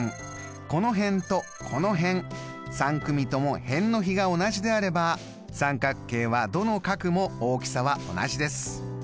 ３組とも辺の比が同じであれば三角形はどの角も大きさは同じです。